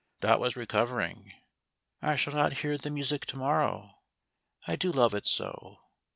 Dot was recovering. " I shall not hear the music to morrow. I do love it so."